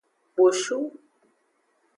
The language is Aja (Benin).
Kposhu.